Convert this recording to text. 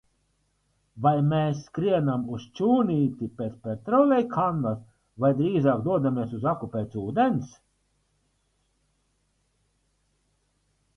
Vai mēs skrienam uz šķūnīti pēc petrolejkannas vai drīzāk dodamies uz aku pēc ūdens?